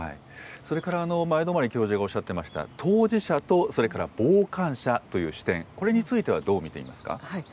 それから前泊教授がおっしゃってました、当事者とそれから傍観者という視点、これについては、どう見ていますか。